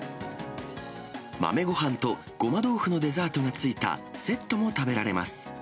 豆ごはんとごま豆腐のデザートが付いたセットも食べられます。